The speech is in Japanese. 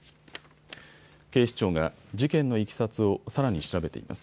警視庁が事件のいきさつをさらに調べています。